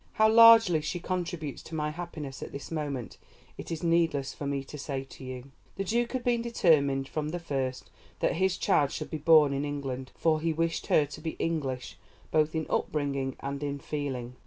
How largely she contributes to my happiness at this moment it is needless for me to say to you." The Duke had been determined from the first that his child should be born in England, for he wished her to be English both in upbringing and in feeling.